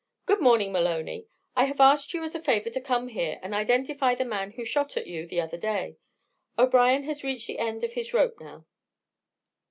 "Good morning, Maloney; I have asked you as a favor to come here and identify the man who shot at you the other day; O'Brien has reached the end of his rope now."